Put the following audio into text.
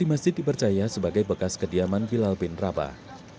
masjid dipercaya sebagai bekas kediaman bilal bin rabah